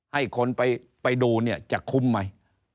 ให้คนไปดูเนี่ยจะคุ้มไหม